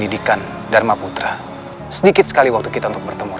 ini sudah malam kakakmu